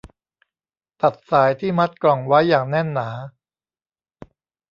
ตัดสายที่มัดกล่องไว้อย่างแน่นหนา